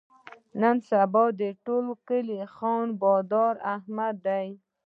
نن سبا د ټول کلي خان بادار احمد دی.